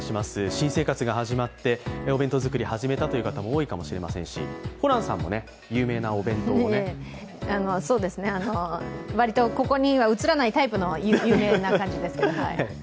新生活が始まってお弁当作り始めたという方も多いかもしれませんし割とここには映らないタイプの有名な感じですかね。